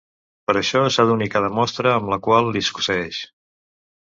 Per a això, s'ha d'unir cada mostra amb la qual li succeeix.